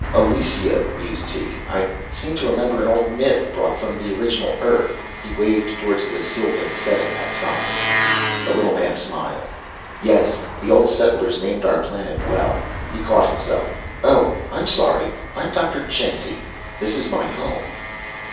"Elysia," mused Tee. "I seem to remember an old old myth brought from the original Earth." He waved toward the sylvan setting, outside. The little man smiled. "Yes, the old settlers named our planet well." He caught himself. "Oh, I'm sorry; I'm Dr. Chensi. This is my home."